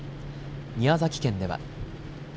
宮崎県では。